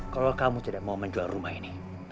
kalau kamu tidak mau menjual rumah ini